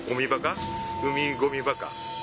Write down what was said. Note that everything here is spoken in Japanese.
海ゴミバカ。